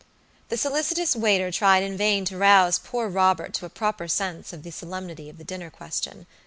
The solicitous waiter tried in vain to rouse poor Robert to a proper sense of the solemnity of the dinner question.